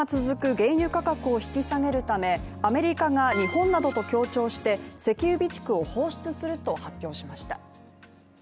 原油価格を引き下げるため、アメリカが日本などと協調して石油備蓄を放出すると発表しました。